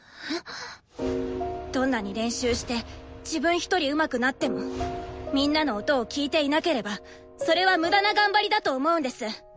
どんなに練習して自分ひとりうまくなってもみんなの音を聴いていなければそれは無駄な頑張りだと思うんです。